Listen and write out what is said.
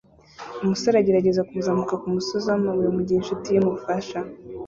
Umusore agerageza kuzamuka kumusozi wamabuye mugihe inshuti ye imufasha